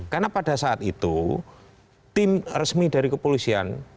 karena pada saat itu tim resmi dari kepolisian